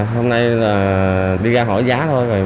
hôm nay đi ra hỏi giá thôi